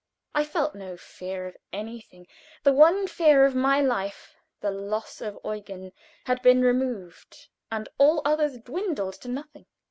I felt no fear of anything; the one fear of my life the loss of Eugen had been removed, and all others dwindled to nothing.